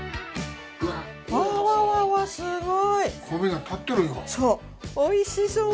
うわうわすごい。